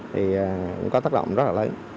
thì cũng có tác động rất là lấy